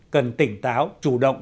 cần tỉnh táo chủ động